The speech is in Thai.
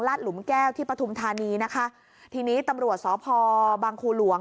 หลุมแก้วที่ปฐุมธานีนะคะทีนี้ตำรวจสพบังคูหลวง